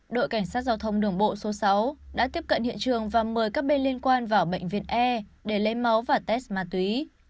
đội cảnh sát giao thông đường bộ số sáu đã tiếp cận hiện trường và mời các bên liên quan vào bệnh viện e để lấy máu và test ma túy